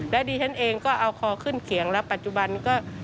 แล้วดิฉันเองก็เอาคอขึ้นเขียงแล้วปัจจุบันก็